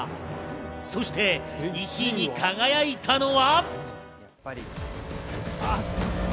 そして１位に輝いたのは。